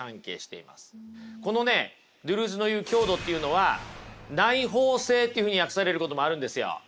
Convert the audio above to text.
このねドゥルーズの言う強度っていうのは内包性っていうふうに訳されることもあるんですよ。